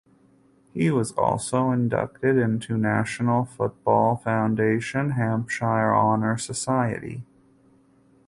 He was also inducted into National Football Foundation Hampshire Honor Society.